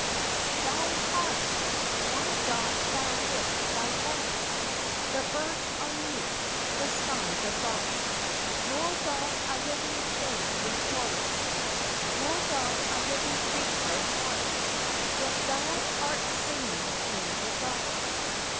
Thou Heart ! why dost thou lift thy voice ? The birds are mute ; the skies are dark ; Nor doth a living thing rejoice ; Nor doth a living creature hark ; Yet thou art singing in the dark.